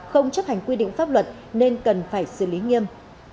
không chấp hành quy định pháp luật nên cần phải xử lý nghiêm